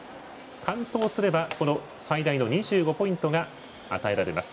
完登すれば最大の２５ポイントが与えられます。